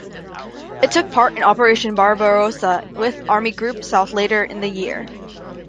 It took part in Operation Barbarossa with Army Group South later in the year.